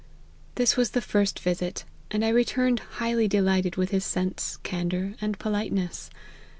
This was the first visit, and I returned highly de lighted with his sense, candour, and politeness.